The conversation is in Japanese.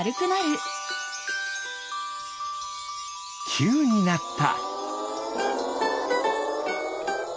きゅうになった。